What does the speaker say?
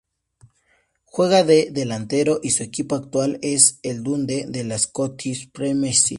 Juega de delantero y su equipo actual es el Dundee de la Scottish Premiership.